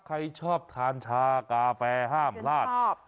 ใครชอบทานชากาแฟห้ามพลาด